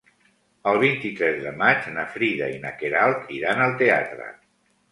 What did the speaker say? El vint-i-tres de maig na Frida i na Queralt iran al teatre.